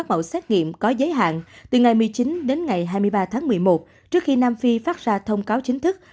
mẫu xét nghiệm có giới hạn từ ngày một mươi chín đến ngày hai mươi ba tháng một mươi một trước khi nam phi phát ra thông cáo chính thức